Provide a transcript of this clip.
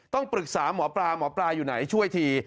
ต้องปรึกษาหมอปลาหมอปลาอยู่ไหนช่วยที